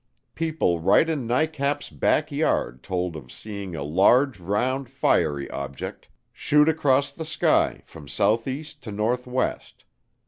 People right in NICAP's backyard told of seeing a "large, round, fiery object" shoot across the sky from southeast to northwest.